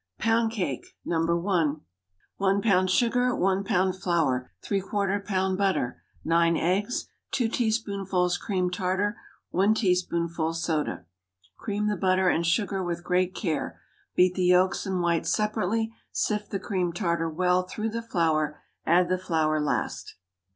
POUND CAKE (No. 1.) 1 lb. sugar. 1 lb. flour. ¾ lb. butter. 9 eggs. 2 teaspoonfuls cream tartar. 1 teaspoonfuls soda. Cream the butter and sugar with great care; beat the yolks and whites separately; sift the cream tartar well through the flour. Add the flour last.